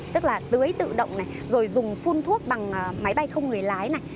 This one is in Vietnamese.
tức là tưới tự động này rồi dùng phun thuốc bằng máy bay không người lái này